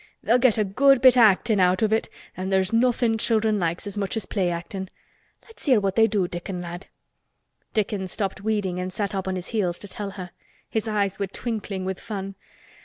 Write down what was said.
They'll get a good bit o' actin' out of it an' there's nothin' children likes as much as play actin'. Let's hear what they do, Dickon lad." Dickon stopped weeding and sat up on his heels to tell her. His eyes were twinkling with fun.